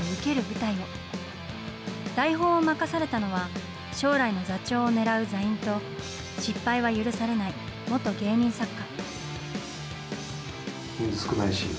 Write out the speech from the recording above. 台本を任されたのは、将来の座長をねらう座員と、失敗は許されない元芸人作家。